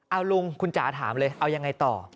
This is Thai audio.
เอาลุงคุณจ๋าถามเลยเอายังไงต่อ